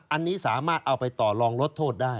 อันนี้สามารถเอาไปต่อลองลดโทษได้